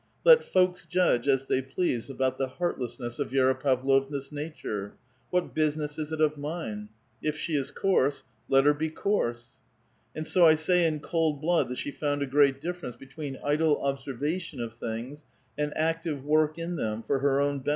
Let folks judge as they please about the heartlessness of Vi6ra Pavlovna's nature. What business is it of mine? If she is coarse, let her be coarse. And so I say in cold blood that she found a great differ ence between idle observation of things and active work in them for her own benefit and the benefit of others.